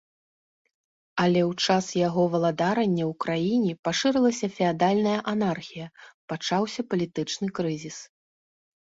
Але ў час яго валадарання ў краіне пашырылася феадальная анархія, пачаўся палітычны крызіс.